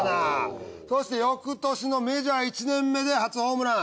そして翌年のメジャー１年目で初ホームラン。